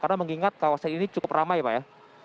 karena mengingat kawasan ini cukup ramai ya pak ya